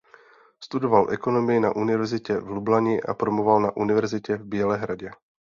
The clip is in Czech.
Studoval ekonomii na Univerzitě v Lublani a promoval na Univerzitě v Bělehradě.